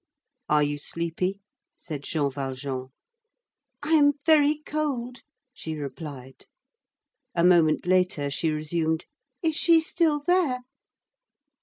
"Are you sleepy?" said Jean Valjean. "I am very cold," she replied. A moment later she resumed:— "Is she still there?"